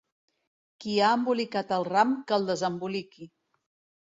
Qui ha embolicat el ram, que el desemboliqui.